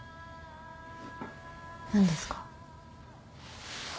何ですか？